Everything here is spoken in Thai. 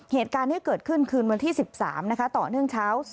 เหตุการณ์นี้เกิดขึ้นเมื่อที่๑๒เกิดขึ้น๑๒